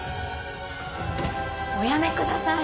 おやめください！